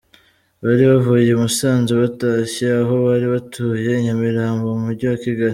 Bari bavuye i Musanze batashye aho bari batuye i Nyamirambo mu Mujyi wa Kigali.